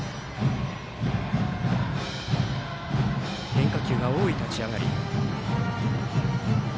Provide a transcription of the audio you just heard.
変化球が多い立ち上がり。